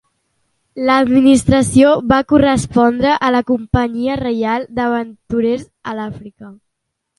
L'administració va correspondre a la Companyia Reial d'Aventurers a l'Àfrica.